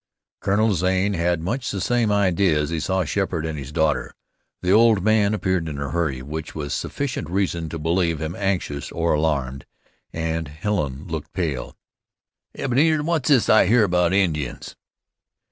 Colonel Zane had much the same idea as he saw Sheppard and his daughter. The old man appeared in a hurry, which was sufficient reason to believe him anxious or alarmed, and Helen looked pale. "Ebenezer, what's this I hear about Indians?"